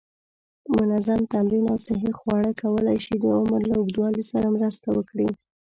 منظم تمرین او صحی خواړه کولی شي د عمر له اوږدوالي سره مرسته وکړي.